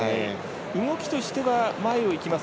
動きとしては前を行きます